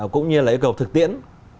cũng như là yêu cầu thực tiễn